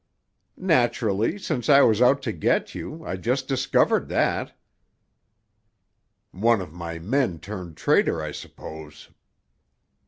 "Naturally, since I was out to get you, I just discovered that." "One of my men turned traitor, I suppose."